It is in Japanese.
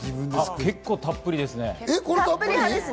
結構たっぷりですね。